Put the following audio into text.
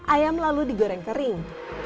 ayam lalu digoreng kering